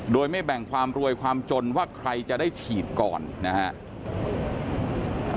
โดยไม่แบ่งความรวยความจนว่าใครจะได้ฉีดก่อนนะครับ